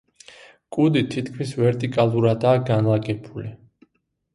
კუდი თითქმის ვერტიკალურადაა განლაგებული.